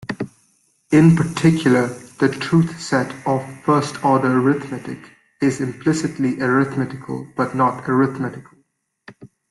In particular, the truth set of first-order arithmetic is implicitly arithmetical but not arithmetical.